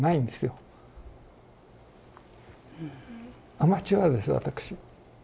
アマチュアです私。